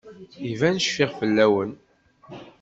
Iban cfiɣ fell-awen.